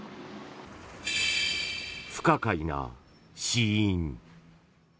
不可解な死因。